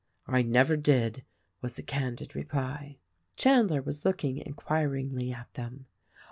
"I never did," was the candid reply. Chandler was looking inquiringly at them.